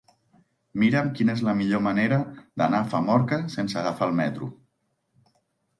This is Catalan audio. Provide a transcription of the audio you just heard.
Mira'm quina és la millor manera d'anar a Famorca sense agafar el metro.